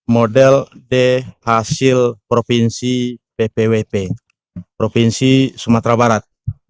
model d hasil provinsi ppwp provinsi sumatera barat